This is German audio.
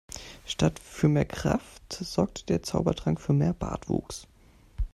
Statt für mehr Kraft sorgte der Zaubertrank für mehr Bartwuchs.